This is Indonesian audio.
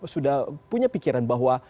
sudah punya pikiran bahwa